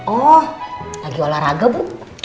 oh lagi olahraga bu